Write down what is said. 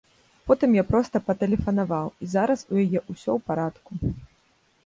Потым я проста патэлефанаваў, і зараз у яе ўсё ў парадку.